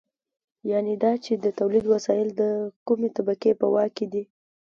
یانې دا چې د تولید وسایل د کومې طبقې په واک کې دي.